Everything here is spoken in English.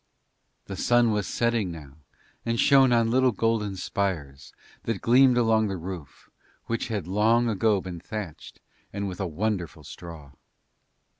The sun was setting now and shone on little golden spires that gleamed along the roof which had long ago been thatched and with a wonderful straw.